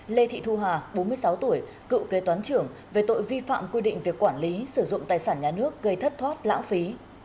lê thị thu hà bốn mươi sáu tuổi cựu kế toán trưởng về tội vi phạm quy định về quản lý sử dụng tài sản nhà nước gây thất thoát lãng phí